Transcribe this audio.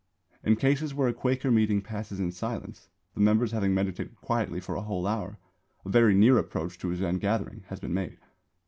In cases where a Quaker meeting passes in silence, the members having meditated quietly for a whole hour, a very near approach to a Zen gathering has been made.